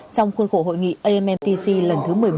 trong khuôn khổ hội nghị ammtc lần thứ một mươi một